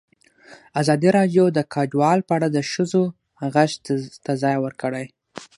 ازادي راډیو د کډوال په اړه د ښځو غږ ته ځای ورکړی.